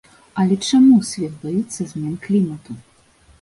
Але чаму свет баіцца змен клімату?